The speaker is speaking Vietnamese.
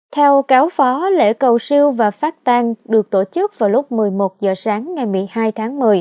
theo cáo phó lễ cầu siêu và phát tan được tổ chức vào lúc một mươi một h sáng ngày một mươi hai tháng một mươi